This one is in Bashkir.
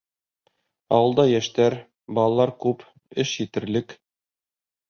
Ауылда йәштәр, балалар күп, эш етерлек.